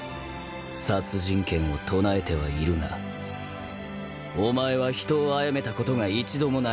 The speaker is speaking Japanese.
殺人剣を唱えてはいるがお前は人をあやめたことが一度もない。